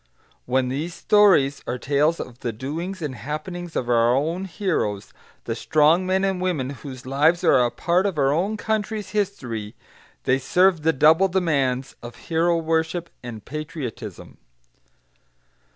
When these stories are tales of the doings and happenings of our own heroes, the strong men and women whose lives are a part of our own country's history, they serve the double demands of hero worship and patriotism.